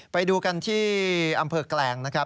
ไปดูกันที่อำเภอแกลงนะครับ